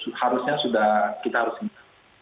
itu harusnya sudah kita harus ingat